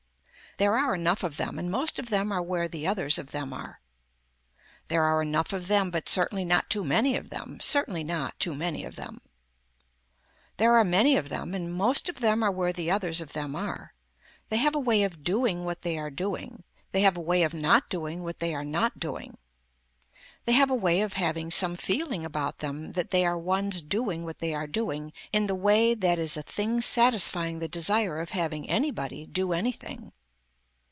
There are enough of them and most of them are where the others of them are. There are enough of them but certainly not too many of them, certainly not, too many of them. There are many of them and most of them are where the others of them are. They have a way of doing what they are doing, they have a way of not doing what they are not doing. They have a way of having some feeling about them that they are ones doing what they are doing in the way that is a thing satisfying the desire of having anybody do anything.